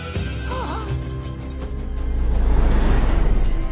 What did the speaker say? ああ。